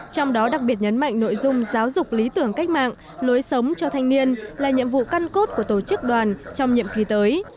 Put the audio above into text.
trong đó đặc biệt nhấn mạnh nội dung giáo dục lý tưởng cách mạng lối sống cho thanh niên là nhiệm vụ căn cốt của tổ chức đoàn trong nhiệm kỳ tới